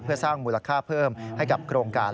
เพื่อสร้างมูลค่าเพิ่มให้กับโครงการ